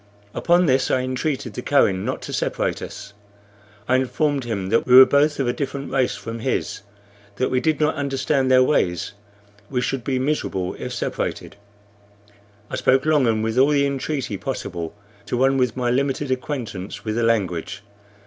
Upon this I entreated the Kohen not to separate us. I informed him that we were both of a different race from his, that we did not understand their ways; we should be miserable if separated. I spoke long and with all the entreaty possible to one with my limited acquaintance with the language.